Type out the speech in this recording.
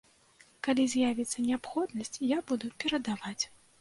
Калі з'явіцца неабходнасць, я буду перадаваць.